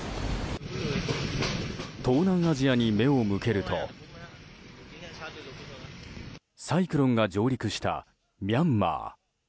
東南アジアに目を向けるとサイクロンが上陸したミャンマー。